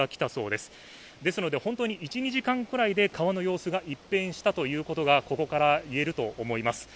ですので本当に１２時間くらいで川の様子が一変したということがここから言えると思います。